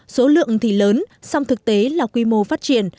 số lượng thì lớn song thực tế là quy mô phát triển